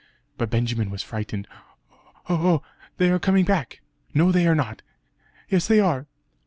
But Benjamin was frightened "Oh; oh! they are coming back!" "No they are not." "Yes they are!"